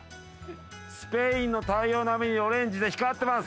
スペインの太陽並みにオレンジで光ってます。